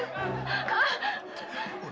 ufaan di bantuan kita